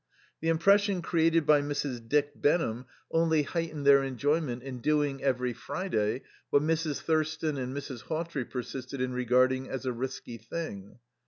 The impression created by Mrs. Dick Benham only heightened their enjoyment in doing every Friday what Mrs. Thurston and Mrs. Hawtrey persisted in regarding as a risky thing.